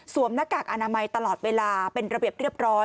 หน้ากากอนามัยตลอดเวลาเป็นระเบียบเรียบร้อย